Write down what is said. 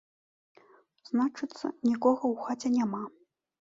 Значыцца, нікога ў хаце няма.